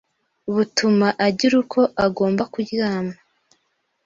butuma agira uko agomba kuryama